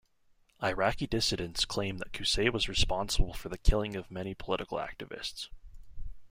Iraqi dissidents claim that Qusay was responsible for the killing of many political activists.